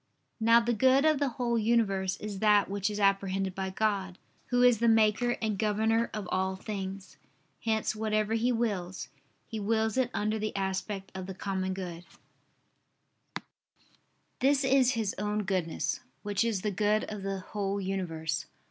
Now the good of the whole universe is that which is apprehended by God, Who is the Maker and Governor of all things: hence whatever He wills, He wills it under the aspect of the common good; this is His own Goodness, which is the good of the whole universe.